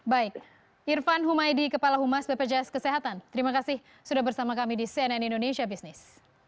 baik irfan humaydi kepala humas bpjs kesehatan terima kasih sudah bersama kami di cnn indonesia business